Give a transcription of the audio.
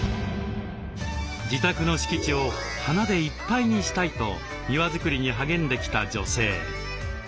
自宅の敷地を花でいっぱいにしたいと庭づくりに励んできた女性。